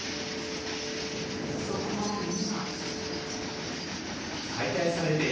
そこは今。